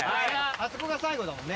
あそこが最後だもんね。